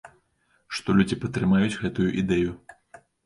Што людзі падтрымаюць гэтую ідэю.